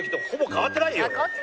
変わってないよ。